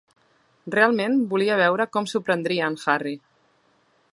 Realment volia veure com s'ho prendria en Harry.